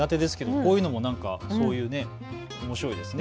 こういうのもおもしろいですね。